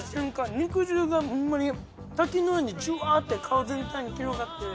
肉汁がホンマに滝のようにジュワーって顔全体に広がって。